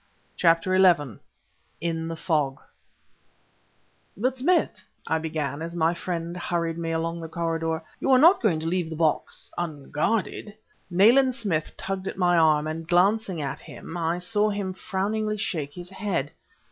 CHAPTER XI IN THE FOG "But, Smith," I began, as my friend hurried me along the corridor, "you are not going to leave the box unguarded?" Nayland Smith tugged at my arm, and, glancing at him, I saw him frowningly shake his head.